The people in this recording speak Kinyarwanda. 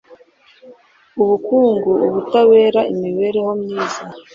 ubukungu, ubutabera, imibereho myiza